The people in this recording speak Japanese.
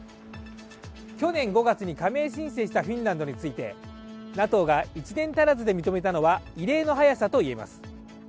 去年５月に加盟申請したフィンランドについてＮＡＴＯが１年足らずで認めたのは異例の早さといえます。